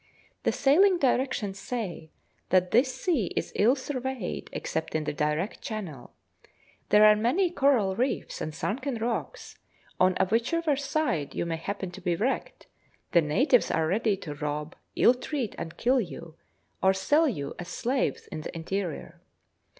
The sailing directions say that this sea is ill surveyed, except in the direct channel. There are many coral reefs and sunken rocks, and on whichever side you may happen to be wrecked, the natives are ready to rob, ill treat, and kill you, or sell you as slaves in the interior.